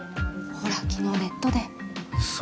ほら昨日ネットで・うそ